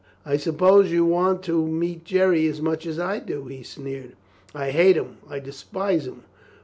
"I suppose you want to meet Jerry as much as I do," he sneered. "I hate him! I despise him!"